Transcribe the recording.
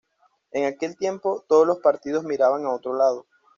En aquel tiempo, todos los partidos miraban a otro lado.